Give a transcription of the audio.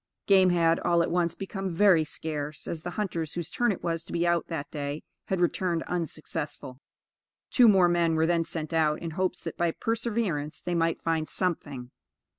Game had, all at once, become very scarce, as the hunters whose turn it was to be out that day, had returned unsuccessful. Two more men were then sent out, in hopes that by perseverance they might find something.